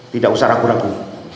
tidak usah ragu ragu